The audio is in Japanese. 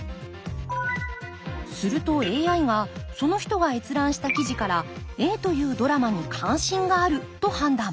するとＡＩがその人が閲覧した記事からＡというドラマに関心があると判断。